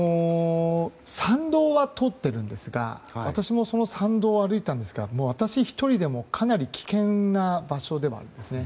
参道は通っているんですが私もその山道を歩いたんですが私１人でもかなり危険な場所ではありますね。